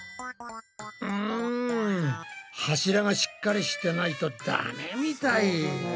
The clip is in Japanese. うん柱がしっかりしてないとダメみたい。